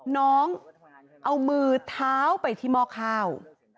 น้องเอามือเท้าไปที่หม้อข้าว